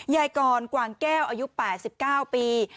ยายกรกวางแก้วอายุ๘๙ปี